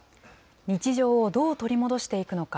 日常をどう取り戻していくのか。